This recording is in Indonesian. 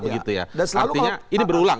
artinya ini berulang